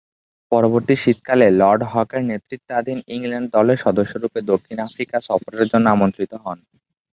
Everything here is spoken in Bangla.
পরবর্তী শীতকালে লর্ড হকের নেতৃত্বাধীন ইংল্যান্ড দলের সদস্যরূপে দক্ষিণ আফ্রিকা সফরের জন্য আমন্ত্রিত হন।